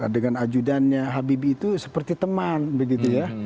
dengan ajudannya habibie itu seperti teman begitu ya